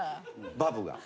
バブが。